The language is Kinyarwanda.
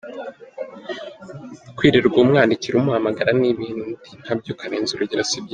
Kwirirwa umwandikira ,umuhamagara n’ibindi nkabyo ukarenza urugero sibyiza.